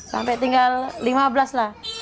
sampai tinggal lima belas lah